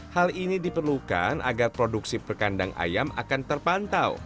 hal ini diperlukan agar produksi perkandang ayam akan terpantau